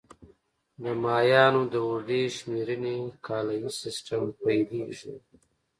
د مایانو د اوږدې شمېرنې کالیز سیستم پیلېږي